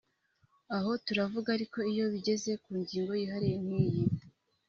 Aha turavuga ariko iyo bigeze ku ngingo yihariye nk’iyi